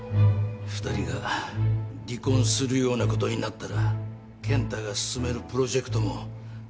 ２人が離婚するようなことになったら健太が進めるプロジェクトもただでは済まん。